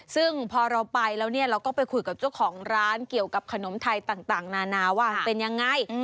ซึ่งพอเราไปแล้วเนี่ยเราก็ไปคุยกับเจ้าของร้านเกี่ยวกับขนมไทยต่างนานาว่ามันเป็นยังไง